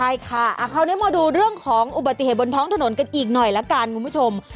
ใช่ค่ะคราวนี้มาดูเรื่องของอุบัติเหตุบนท้องถนนกันอีกหน่อยละกันคุณผู้ชม